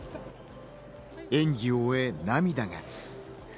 演技を終え涙が。